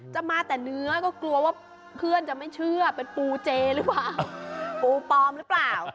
มาแต่เนื้อก็กลัวว่าเพื่อนจะไม่เชื่อเป็นปูเจหรือเปล่าปูปลอมหรือเปล่า